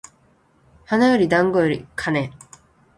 花より団子より金